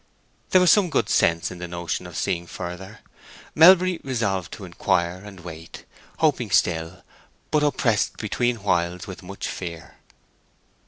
There was some good sense in the notion of seeing further. Melbury resolved to inquire and wait, hoping still, but oppressed between whiles with much fear.